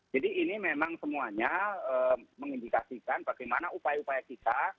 jadi ini memang semuanya mengindikasikan bagaimana upaya upaya kita